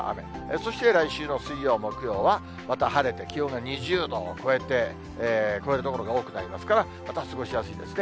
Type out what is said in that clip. そして来週の水曜、木曜はまた晴れて、気温が２０度を超えて、超える所が多くなりますから、また過ごしやすいですね。